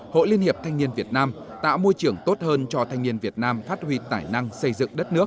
hội liên hiệp thanh niên việt nam tạo môi trường tốt hơn cho thanh niên việt nam phát huy tài năng xây dựng đất nước